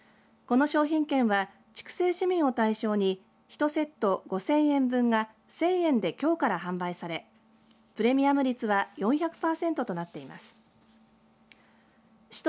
この商品券は筑西市民を対象に１セット５０００円分が１０００円できょうから販売されプレミアム率は４００パーセントとなっています。